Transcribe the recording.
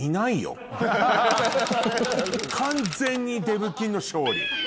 完全にデブ菌の勝利。